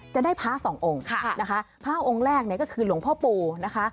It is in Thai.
จะได้พระสององค์นะคะพระองค์แรกเนี่ยก็คือหลวงพ่อปู่นะคะ